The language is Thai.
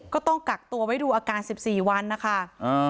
ก็ต้องกักตัวไว้ดูอาการ๑๔วันนะคะ